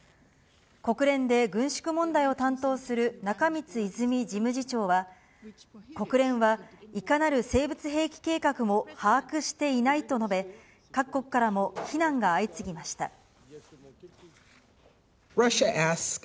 国連で軍縮問題を担当する中満泉事務次長は、国連はいかなる生物兵器計画も把握していないと述べ、各国からも非難が相次ぎました。